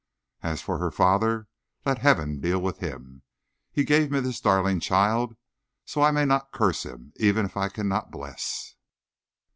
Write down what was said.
As for her father, let Heaven deal with him. He gave me this darling child; so I may not curse him, even if I cannot bless.